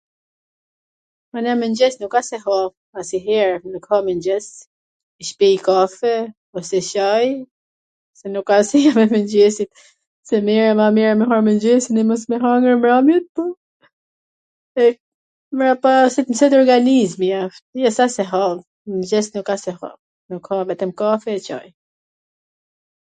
nw mengjes nuk asht se ha asnjwher, nuk ha mengjes, pi njw kafe ose Caj, se nuk ha as njw her mwngjesi, se merre ma mir me ha mengjesin e mos me hangwr nw mbramje, po, mbrapa si t mwsohet organizmi asht, s asht se ha, nw mengjes nuk a se ha, vetwm kafe e Caj